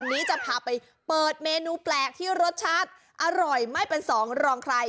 วันนี้จะพาไปเปิดเมนูแปลกที่รสชาติอร่อยไม่เป็นสองรองใคร